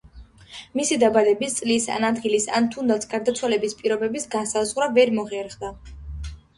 მისი დაბადების წლის ან ადგილის ან თუნდაც გარდაცვალების პირობების განსაზღვრა ვერ მოხერხდა.